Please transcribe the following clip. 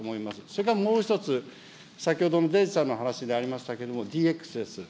それからもう一つ、先ほどのデジタルの話でありましたけれども、ＤＸです。